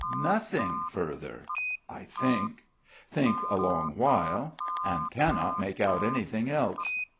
Nothing further. I think, think a long while and cannot make out anything else.